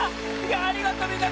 ありがとうみんな！